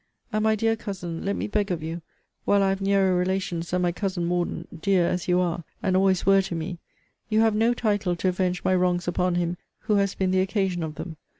And, my dear Cousin, let me beg of you while I have nearer relations than my Cousin Morden, dear as you are, and always were to me, you have no title to avenge my wrongs upon him who has been the occasion of them.